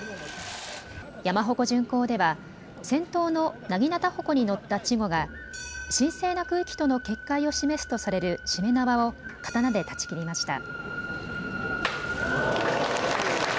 山鉾巡行では先頭の長刀鉾に乗った稚児が神聖な区域との結界を示すとされるしめ縄を刀で断ち切りました。